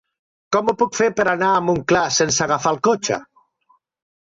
Com ho puc fer per anar a Montclar sense agafar el cotxe?